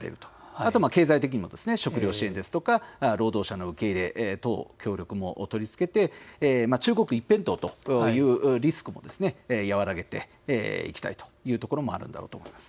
また経済的にも食料支援ですとか労働者の受け入れ等、協力も取り付けて中国一辺倒というリスクも和らげていきたいというところもあるんだろうと思います。